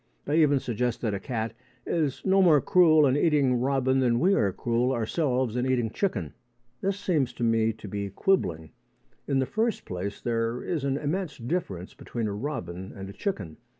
They even suggest that a cat is no more cruel in eating robin than we are cruel ourselves in eating chicken. This seems to me to be quibbling. In the first place, there is an immense difference between a robin and a chicken.